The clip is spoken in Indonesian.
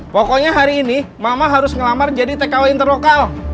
pokoknya hari ini mama harus ngelamar jadi tko interlokal